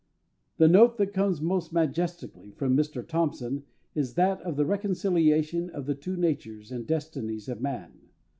The note that comes most majestically from Mr THOMPSON is that of the reconciliation of the two natures and destinies of man.